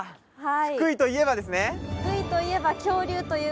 福井といえばですね。